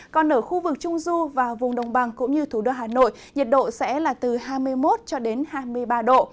còn ở khu vực trung du và vùng đồng bằng cũng như thủ đô hà nội nhiệt độ sẽ là từ hai mươi một cho đến hai mươi ba độ